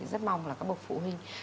rất mong là các bậc phụ huynh